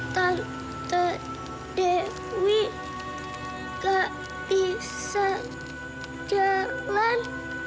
tante dewi gak bisa jalan